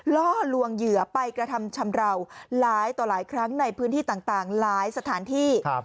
ล่อลวงเหยื่อไปกระทำชำราวหลายต่อหลายครั้งในพื้นที่ต่างหลายสถานที่